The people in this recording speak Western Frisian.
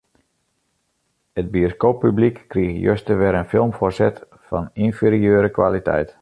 It bioskooppublyk krige juster wer in film foarset fan ynferieure kwaliteit.